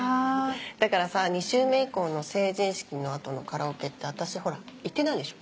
だからさ２周目以降の成人式の後のカラオケって私ほら行ってないでしょ。